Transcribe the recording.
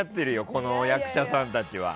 この役者さんたちは。